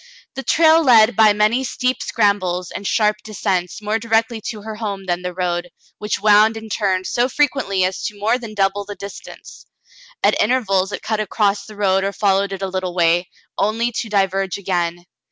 The trail led by many steep scrambles and sharp de scents more directly to her home than the road, which wound and turned so frequently as to more than double the distance. At intervals it cut across the road or fol lowed it a little w^ay, only to diverge again.